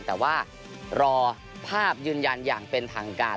แต่ว่ารอภาพยืนยันอย่างเป็นทางการ